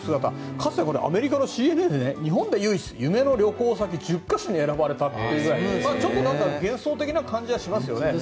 かつて、アメリカのＣＮＮで日本で唯一夢の旅行先１０か所に選ばれたというぐらいちょっと幻想的な感じはしますよね。